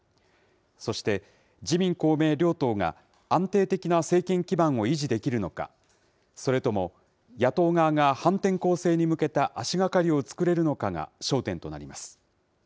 そして自民、公明両党が、安定的な政権基盤を維持できるのか、それとも野党側が反転攻勢に向けた足がかりを作れるのかが焦点となります。